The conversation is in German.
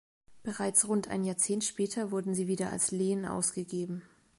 Bereits rund ein Jahrzehnt später wurden sie wieder als Lehen ausgegeben.